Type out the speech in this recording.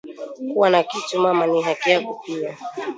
Kuwa na kitu mama ni haki yako pia